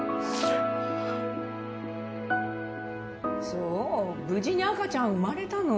そう無事に赤ちゃん生まれたの。